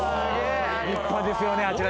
立派ですよねあちら。